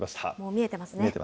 見えてます。